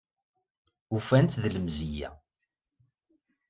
Ufan-tt d lemziyya